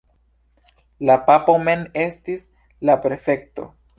La papo mem estis la prefekto.